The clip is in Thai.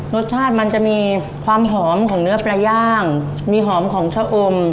รสชาติมันจะมีความหอมของเนื้อปลาย่างมีหอมของชะอม